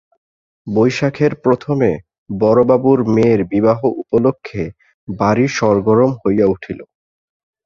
বৈশাখেব প্রথমে বড়বাবুর মেয়ের বিবাহ উপলক্ষে বাড়ি সরগরম হইয়া উঠিল।